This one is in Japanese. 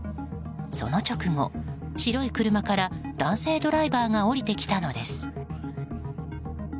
その直後、白い車から男性ドライバーが降りてきたのです。